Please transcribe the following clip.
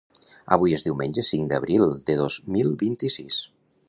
Avui és diumenge cinc d'abril de dos mil vint-i-sis